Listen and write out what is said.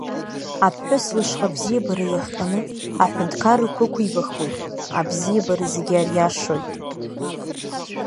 Аԥҳәыс лышҟа абзиабара иахҟьаны, аҳәынҭқаррақәа ықәибахуеит, абзиабара зегьы ариашоит.